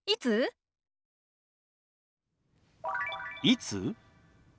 「いつ？」。